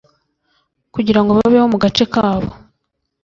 kugirango babeho mu gace kabo